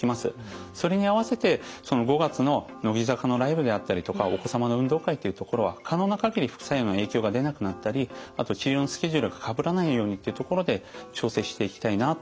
それに合わせて５月の乃木坂のライブであったりとかお子様の運動会っていうところは可能な限り副作用の影響が出なくなったりあと治療のスケジュールがかぶらないようにっていうところで調整していきたいなと。